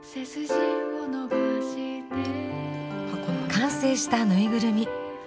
完成したぬいぐるみ。